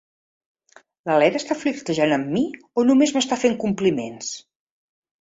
La Lena està flirtejant amb mi o només m'està fent compliments?